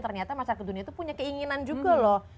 ternyata masyarakat dunia itu punya keinginan juga loh